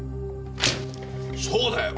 そうだよ。